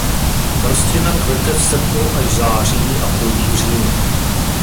Rostlina kvete v srpnu až září a plodí v říjnu.